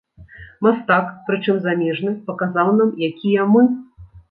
Мастак, прычым замежны, паказаў нам, якія мы.